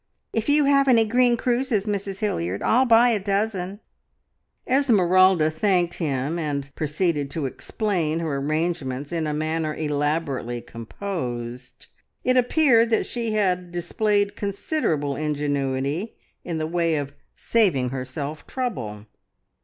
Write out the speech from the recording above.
If you have any green cruses, Mrs Hilliard, I'll buy a dozen!" Esmeralda thanked him, and proceeded to explain her arrangements in a manner elaborately composed. It appeared that she had displayed considerable ingenuity in the way of saving herself trouble.